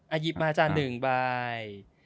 อ้าหยิบมาจ้ะก็ได้๑ใบ